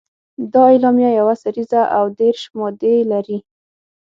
دا اعلامیه یوه سريزه او دېرش مادې لري.